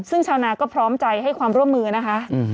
ซึ่งชาวนาก็พร้อมใจให้ความร่วมมือนะคะ